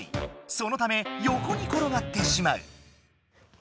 そのためよこにころがってしまう。